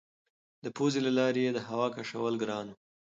د پوزې له لارې یې د هوا کشول ګران وو.